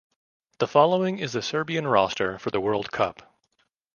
The following is the Serbia roster for the World Cup.